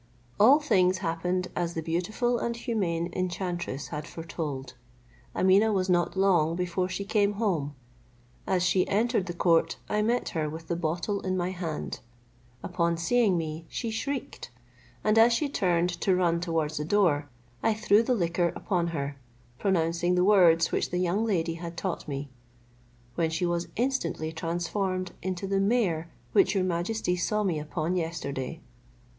All things happened as the beautiful and humane enchantress had foretold. Ameeneh was not long before she came home. As she entered the court, I met her with the bottle in my hand. Upon seeing me, she shrieked; and as she turned to run towards the door, I threw the liquor upon her, pronouncing the words which the young lady had taught me, when she was instantly transformed into the mare which your majesty saw me upon yesterday.